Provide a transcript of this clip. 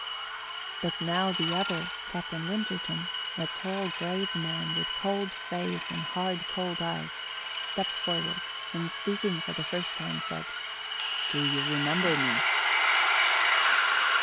But now the other, Captain Winterton, a tall, grave man, with cold face and hard cold eyes, stepped forward, and speaking for the first time said: "Do you remember me?"